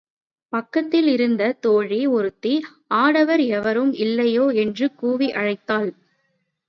பக்கத்தில் இருந்த தோழி ஒருத்தி ஆடவர் எவரும் இல்லையோ என்று கூவி அழைத்தாள்.